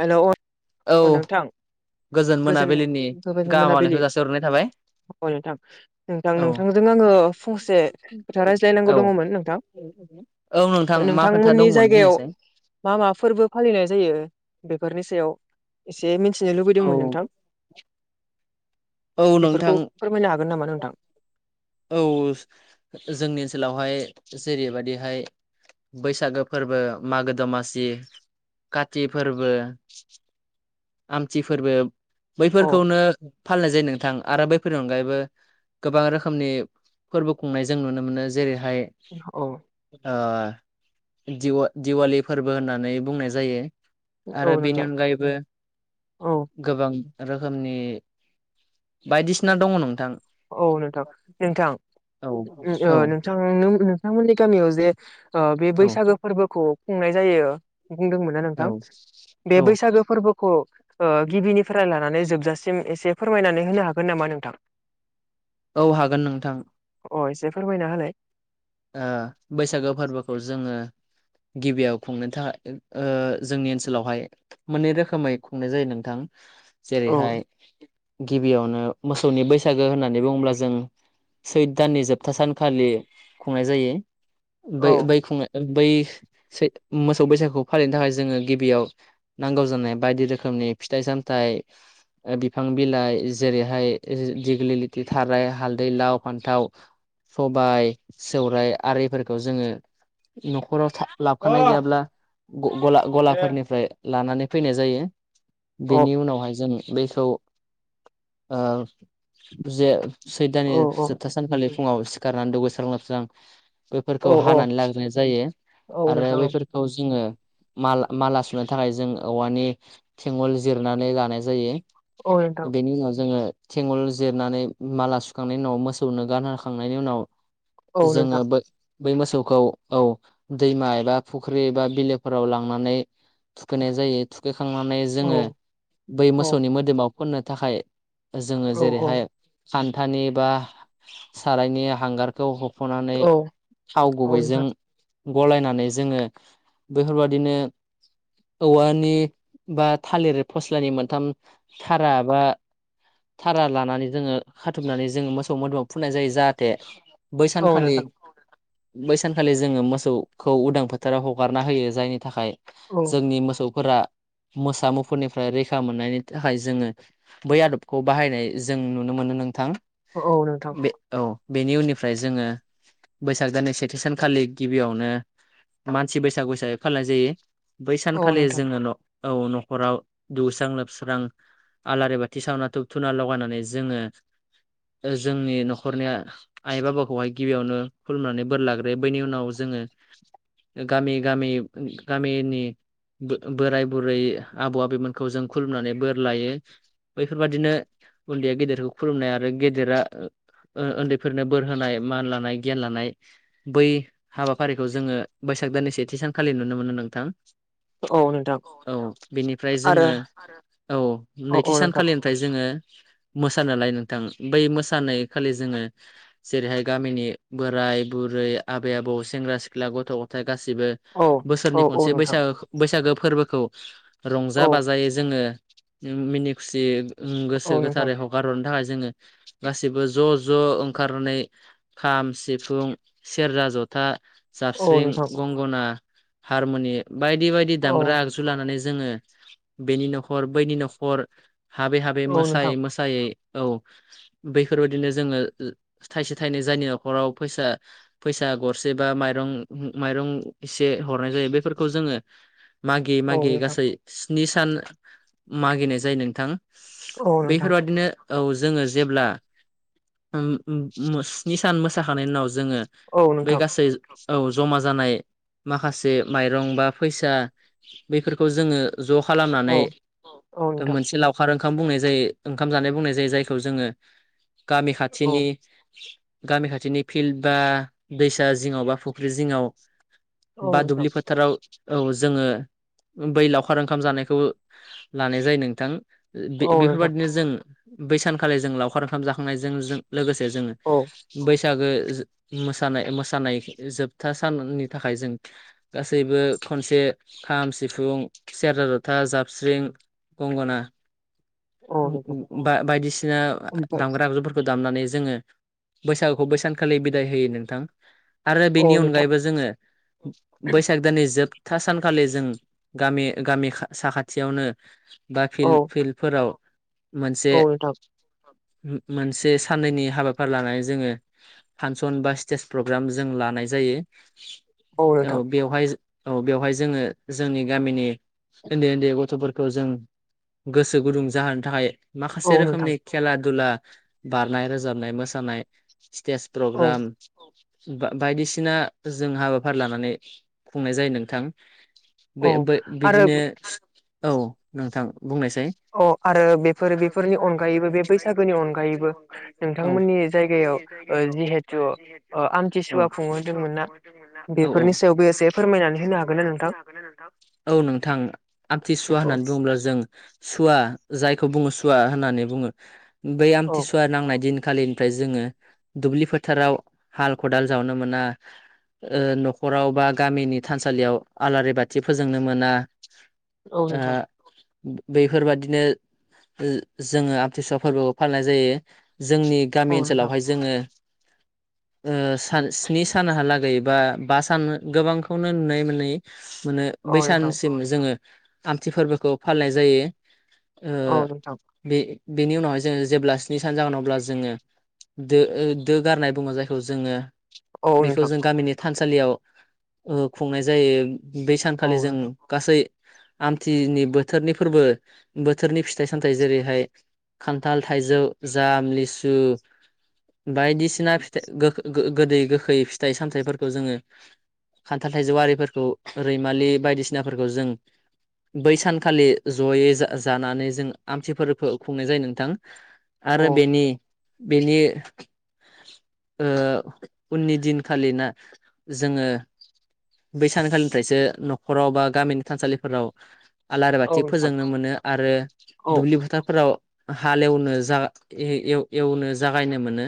Hello औ अ नोंथां। गोजोन मोनाबिलिनि गोजोन मोनाबिलि गाहामालायखौ जासि हरनाय थाबाय अ औ नोंथां-नोंथां-नोंथांजों आङो फंसे खोथा औ रायज्लायनांगौ दङमोन नोंथां। औ नोंथां मा खोथा नोंथांमोननि दंमोन जायगायाव बुंनायसाय? मा मा फोरबो फालिनाय जायो? बेफोरनि सायाव एसे मिथिनो औ लुबैदोंमोन नोंथां। औ नोंथां बेफोरखौ फोरमायनो हागोन नामा नोंथां। औ जोंनि ओनसोलावहाय जेरैबादिहाय बैसागो फोरबो मागो दमासि काति फोरबो आमथि फोरबो अ बैफोरखौनो फालिनाय जायो नोंथां आरो बैफोरनि अनगायैबो गोबां रोखो मनि फोरबो खुंनाय जों नुनो मोनो जेरैहाय औ दिवा-दिवालि फोरबो होननानै बुंनाय जायो। औ आरो बेनि नोंथां अनगायैबो औ गोबां रोखोमनि बायदिसिना दङ नोंथां। औ नोंथां औ औ नोंथां-नोंथां-नोंथांमोननि गामियाव जे ओ बे औ बैसागो फोरबोखौ खुंनाय जायो बुंदोंमोना औ नोंथां बे औ बैसागु फोरबो खौ ओ गिबिनिफ्राय लानानै जोबजासिम एसे फोरमायनानै होनो हागोन नामा नोंथां? औ हागोन नोंथां ओ एसे फोरमायना होलाय ओ बैसागु फोर्बोखौ जोङो गिबियाव खुंनो था-ओ जोंनि ओनसोलावहाय मोननै रोखोमै खुंनाय जायो नोंथां। औ जेरैहाय गिबियावनो मोसौनि बैसागो होननानै बुङोब्ला जों। सैद दाननि जोबथा सानखालि। खुंनाय जायो औ बै-बैखुंनाय बै सै मोसौ बैसागुखौ फालिनो थाखाय जोङो गिबियाव नांगौ जानाय बायदि रोखोमनि फिथाइ-सामथाइ। ओ बिफां-बिलाइ जेरैहाय दिग्लि लिथि थाराय हालदै लाव फान्थाव। सबाय सोवराइ आरिफोरखौ जोङो। न'खराव था-लाबखानाय गैयाब्ला। ग-गला-गलाफोरनिफ्राय लानानै फैनाय जायो। औ बेनि उनावहाय जों बेखौ ओ जे सैदाननि औ जोबथा सानखालि फुङाव सिखारनानै दुगोस्रां लोबस्रां। औ बेफोरखौ औ हानानै लाग्रोनाय जायो औ आरो नोंथां औ बैफोरखौ जोङो माला-माला सुनो थाखाय जों औवानि थेंगल जिरनानै लानाय जायो। औ नोंथां बेनि उनाव जोङो थेंगल जिरनानै माला सुखांनायनि उनाव मोसौनो गानहोखांनायनि उनाव औ जोङो नोंथां बो बै मोसौखौ औ दैमा एबा फुख्रि एबा बिलोफोराव लांनानै। थुखैनाय जायो थुखैखांनानै औ जोङो बै औ मोसौनि मोदोमाव फननो थाखाय। जोङो औ औ जेरैहाय खान्थानि बा सारायनि हांगारखौ ह ख'नानै औ थाव औ गुबैजों। नोंथां गलायनानै जोङो बैफोरबादिनो। औवानि बा थालिर फस्लानि मोनथाम थारा बा थारा लानानै जोङो खाथुमनानै जोङो मोसौ मोदोमाव फुननाय जायो जाहाथे बै औ सानखालि। नोंथां बै सानखालि जोङो मोसौखौ उदां फोथाराव हगारना होयो जायनि थाखाय औ जोंनि मोसौ फोरा। मोसा मुफोरनिफ्राय रैखा मोननायनि थाखाय जोङो बै आदबखौ बाहायनाय जों नुनो मोनो नोंथां। औ नोंथां बे औ बेनि उननि फ्राय जोङो बैसाग दाननि सेथि सानखालि गिबियावनो मानसि बैसागु सागसो फालिय जायो बै औ सानखालि नोंथां जोङो न' औ न'खराव दौस्रां लोबस्रां। आलारि बाथि सावना धुब-धुना लगायनानै जोङो ओ जोंनि न'खरनिया। आइ बाबाखौहाय गिबियावनो खुलुमनानै बोर लाग्रोयो बैनि उनाव जोङो गामि-गामि-गामिनि। बो-बोराय बुरै आबौ आबिमोनखौ जों खुलुमनानै बोर लायो। बैफोरबादिनो उन्दैया गेदेरखौ खुलुमनाय आरो गेदेरा उओ उन्दै फोरनो बोर होनाय मान लानाय गियान लानाय बै हाबाफारिखौ जोङो बैसाग दाननि सेथि सानखालि नुनो मोनो नोंथां। औ नोंथां। औ बेनिफ्राय आरो जोङो आरो औ औ नैथि औ नोंथां सानखालिनिफ्राय जोङो मोसानालाय नोंथां बै मोसानाय खालि जोङो। जेरैहाय गामिनि बोराय-बुरै, आबै-आबौ, सेंग्रा-सिख्ला गथ'-गथाय। गासिबो औ बोसोरनि औ औ खनसे नोंथां बैसागुखो-बैसागु फोर्बोखौ। रंजा औ बाजायै जोङो मिनि खुसि ओं गोसो औ नोंथां गोथारै हगार हरनो थाखाय जोङो गासैबो ज'-ज' ओं खारनै खाम सिफुं सेरजा जथा। औ जाबस्रिं, नोंथां गंगना, हारमुनि बायदि-बायदि औ दामग्रा आगजु लानानै जोङो बेनि न'खर बैनि न'खर हाबै-हाबै औ नोंथां मोसायै-मोसायै। औ बेैफोरबादिनो जोङो ओ थाइसे-थाइनै जायनि न'खराव फैसा-फैसा गरसे बा माइरं-माइरं इसे ए हरनाय जायो बेफोरखौ जोङो मागियै औ मागियै नोंथां गासै स्नि सान मागिनाय जायो नोंथां। औ नोंथां बेफोरबादिनो औ जोङो जेब्ला ओम उ मो स्नि सान मोसाखांनायनि उनाव जोङो औ बै नोंथां गासै औ जमा जानाय माखासे माइरं बा फैसा बेफोरखौ जोङो ज' खालामनानै औ औ दा नोंथां मोनसे लावखार ओंख खाम बुंनाय जायो ओंखाम जानाय बुंनाय जायो जायखौ जोङो गामि औ खाथिनि गामि खाथिनि फिल्ड बा दैसा जिङाव बा फुख्रि जिङाव औ बा नोंथां दुबलि फोथाराव औ जोङो बै लावखार ओंखाम जानायखौ लानाय जायो नोंथां ओ बे औ नोंथां बेफोरबायदिनो जों बै सानखालि जों लावखार ओंखाम जाखांनायजों जों लोगोसे ए जोङो औ बैसागो ओ मोसानाय मोसानाय जोबथा साननि थाखाय जों गासैबो खनसे खाम सिफुं सेरजा जथा जाबस्रिं गंगना उ औ नोंथां उ बा बायदिसिना ओमफ्राय दामग्रा आगजुफोरखौ दामनानै जोङो बैसागुखौ बैसानखालि बिदाय होयो नोंथां। आरो बेनि औ नोंथां अनगायैबो जोङो बैसाग दाननि जोब था सानखालि जों गामि गामि खा साखाथियावनो बा औ फिल्द फिल्दफोराव मोनसे औ नोंथां उ मोनसे साननैनि हाबाफारि लानानै जोङो फानसन बा स्टेज प्रग्राम जों लानाय जायो औ बेवहाय औ बेवहाय जोङो जोंनि गामिनि ओन्दै ओन्दै गथ'फोरखौ जों गोसो गुदुं जाहोनो थाखाय माखासे औ नोंथां रोखोमनि खेला दुला बारनाय रोजाबनाय मोसानाय स्टेज औ प्रग्राम बा बायदिसिना जों हाबाफारि लानानै खुंनाय जायो नोंथां बे औ बो आरो बिदिनो औ नोंथां बुंनायसाय अ आरो बेफोर बेफोरनि अनगायैबो बे बैसागोनि अनगायै एबो औ नोंथांमोननि जायगायाव ओ जिहेथु ओ औ आमथिसुवा खुंहोदोंमोन ना? औ बेफोरनि औ सायावबो एसे फोरमायनानै होनो हागोन ना नोंथां औ नोंथां आमथि सुवा औ होननानै बुङोब्ला जों सुवा जायखौ बुङो सुवा होननानै बुङो बै औ आमथिसुवा नांनाय दिन खालिनिफ्राय जोङो दुब्लि फोथाराव हाल खदाल जावनो मोना ओ न'खराव बा गामिनि थानसालियाव आलारि बाथि फोजोंनो मोना औ ओ नोंथां बैफोरबादिनो ओ जोङो आमथिसुवा फोरबोखौ फालिनाय जायो जोंनि औ गामि नोंथां ओनसोलावहाय जोङो ओ सानस्नि सानहालागै बा बा सान गोबांखौनो नुनाय मोनैयो मोनो औ नोंथां बैसानसिम जोङो आमथि फोरबोखौ फालिनाय जायो ओ औ नोंथां बे बेनि उनावहाय जोङो जेब्ला स्नि सान जागोन अब्ला जोङो दो ओ दो गारनाय बुङो जायखौ जोङो औ बेखौ नोंथां जों गामिनि थानसालियाव ओ खुंनाय जायो बै औ सानखालि जों नोंथां गासै आमथिनि बोथोरनि फोरबो बोथोरनि फिथाइ सामथायाइ जेरैहाय खान्थाल थाइजौ जाम लिसु बायदिसिना फिथा गोग गोदै गोखै फिथाइ सामथायाइफोरखौ जोङो खान्थाल थाइजौआरिफोरखौ रैमालि बायदिसिनाफोरखौ जों बै सानखालि ज'यै जाजानानै जों आमथिफोरफखौ खुंनाय जायो नोंथां आरो औ बेनि बेनि ओ उननि दिनखालिना जोङो बै सानखालिनिफ्रायसो न'खराव बा गामिनि थानसालिफोराव आलारि बाथि औ नोंथां फोजोंनो मोनो आरो औ दुब्लि फोथारफोराव हालेवनो जा ए एल एवनो जागायनो मोनो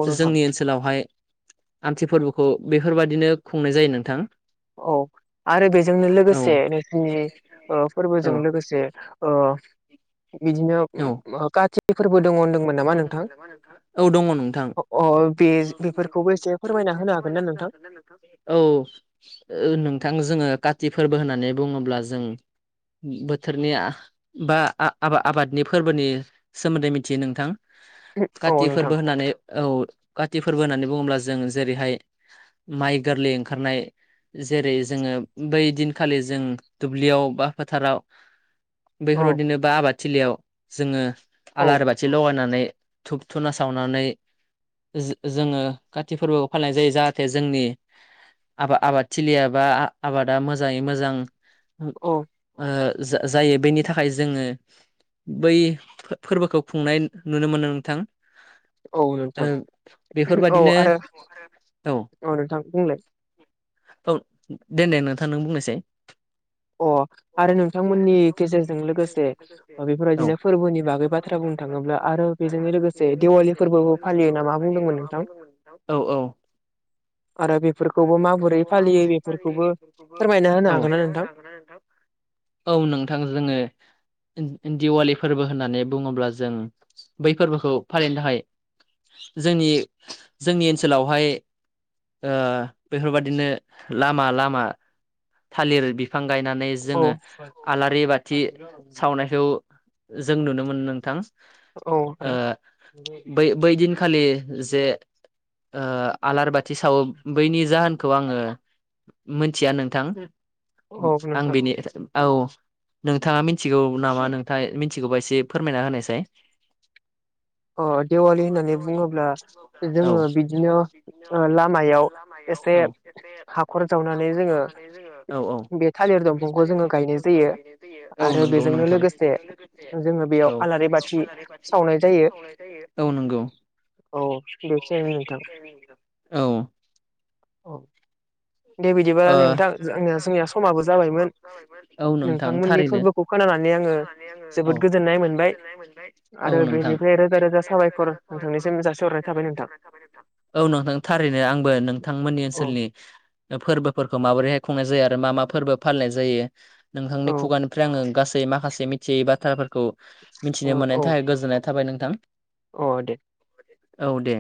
औ नोंथां जोंनि ओनसोलावहाय आमथि फोरबोखौ बेफोरबाददिनो खुंनाय जायो नोंथां औ आरो बेजोंनो लोगोसे नैथि ओ फोरबोजों लोगोसे ओ [unintelligible] औ उम काति फोरबो दङ बबो होनदोंमोन दङ नोंथां? नामा नोंथां [unintelligible] औ दङ नोंथां औे बेफोरखौबो एसे फोरमायना होनो हागोन ना नोंथां औ नोंथां जोङो काति फोरबो होननानै बुङोब्ला जों बोथोरनिआ बा आआबा आबादनि फोरबोनि सोमोन्दै मिथियो नोंथां औ काति नोंथां फोरबो होननानै औ काति फोरबो होननानै बुङोब्ला जों जेरैहाय माइ गोरलै ओंखारनाय जेरै जोङो बै दिनखालि जों दुब्लियाव बा फोथाराव औ बेफोरावदिनो बा आबाद थिलियाव जोङो औ आलार बाथि लगायनानै धुप धुना सावनानै जोजोङो काति फोरबोखौ फालिनाय जायो जाहाथे जोंनि आबा आबाद थिलियाबा आबादा मोजाङै मोजां ओ औ जाजायो बेनि थाखाय जोङो बै फोरबोखौ खुंनाय नुनो मोनो नोंथां औ नोंथां ओ औ बेफोरबादिनो आरो औ नोंथां बुंलाय दोननाय नोंथां नों बुंनायसाय अ आरो नोंथांमोननि गेजेरजों लोगोसे औ बेफोरबायदिनो फोरबोनि बागै बाथ्रा बुंनो थाङोब्ला आरो बेजोंनो लोगोसे दिवालि फोरबोबो फालियो नामा मा बुंदोंमोन नोंथां औ औ आरो बेफोरखौबो माबोरै फालियो बेफोरखौबो फोरमायना औ होनो हागोन ना नोंथां औ नोंथां जोङो दिवालि फोरबो होननानै बुङोब्ला जों बै फोरबोखौ फालिनो थाखाय जोंनि जोंनि ओनसोलावहाय ओ बेफोरबायदिनो लामा लामा थालिर बिफां गायनानै औ जोङो आलारि बाथि सावनायखौ जों नुनो मोनो नोंथां औ ओ आरो बै बैदिनखालि जे ओ आलार बाथि सावो बैनि जाहोनखौ आङो मोनथिया नोंथां औ आं नोंथां बेनि औ नोंथाङा मि मिथिगौ नामा नोंथां मिथिगौबा एसे फोरमायना होनायसाय [unintelligible] ओ दिवलि होननानै बुङोब्ला औ जोङो बिदिनो लामायाव एसे औ हाखर जावनानै जोङो औ बे थालिर दंफांखौ जोङो गायनाय जायो आरो बेजोंनो लोगोसे जोङो बेयाव आलारि बाथि सावनाय जायो औ नंगौ औ सस मिथ [inaudible] औ ओ औ दे बिदिबालाय नोंथां जनिया जोंनिया समाबो जाबायमोन औ नोंथां नोंथांमोनि थारैनो फोरबोखौ नानानै आङो जोबोद औ गोजोननाय मोनबाय औ आरो नोंथां बेनिफ्राय रोजा रोजा साबायखर नोंथांनिसिम जासिहर खुलुमनाय जासिहरनाय थाबाय नोंथां। औ नोंथां थारैनो आंबो नोंथांमोननि औ ओनसोलनि फोरबोफोरखौ माबोरैहाय खुंनाय जायो आरो मा मा फोरबो फालिनाय जायो? नोंथांनि औ खुगानिफ्राय आङो गासै जै माखासे मिथियै बाथ्राफोरखौ औ मिथिनो मोननायनि औ थाखाय गोजोननाय थाबाय नोंथां। औ दे औ दे।